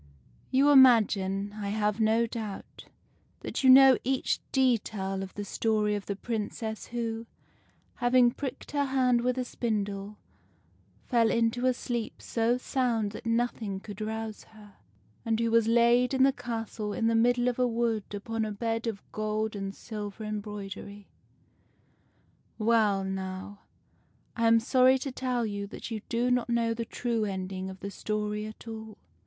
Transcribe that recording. You imagine, I have no doubt, that you know each detail of the story of the Princess who, having pricked her hand with a spindle, fell into a sleep so sound that nothing could rouse her, and who was laid in the castle in the middle of a wood upon a bed of gold and silver embroidery, — well, now, I am sorry to tell you that you do not know the true ending of the story at all.